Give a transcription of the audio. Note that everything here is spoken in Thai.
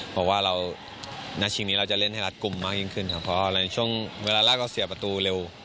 เพราะว่าเรานัดชิงนี้เราจะเล่นให้รัดกลุ่มมากยิ่งขึ้นครับเพราะในช่วงเวลาแรกเราเสียประตูเร็ว